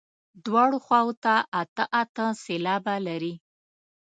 دواړو خواوو ته اته اته سېلابه لري.